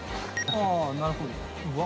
あぁなるほど。